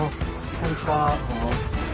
こんにちは。